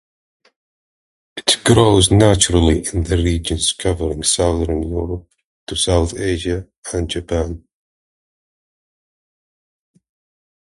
It grows naturally in the regions covering Southern Europe to South Asia and Japan.